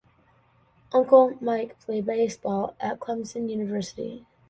Uncle, Mike, played baseball at Clemson University.